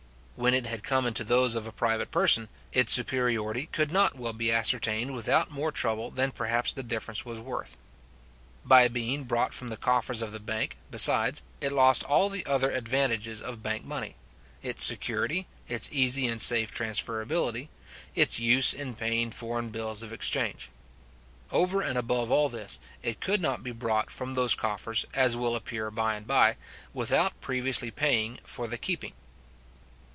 When it had come into those of a private person, its superiority could not well be ascertained without more trouble than perhaps the difference was worth. By being brought from the coffers of the bank, besides, it lost all the other advantages of bank money; its security, its easy and safe transferability, its use in paying foreign bills of exchange. Over and above all this, it could not be brought from those coffers, as will appear by and by, without previously paying for the keeping.